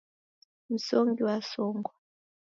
Msongi wasongwa.